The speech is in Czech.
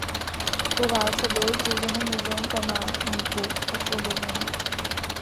Po válce bylo zřízeno Muzeum Památníku osvobození.